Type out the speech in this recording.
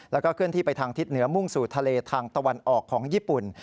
แล้วก็เคลื่อนที่ไปทางทิศเหนือมุ่งสู่ทะเลทางตะวันออกของญี่ปุ่น